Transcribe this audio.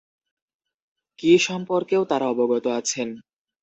কি সম্পর্কেও তাঁরা অবগত আছেন?